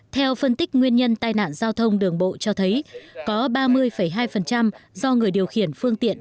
theo phân tích nguyên nhân tai nạn giao thông đường bộ cho thấy có ba mươi hai do người điều khiển phương tiện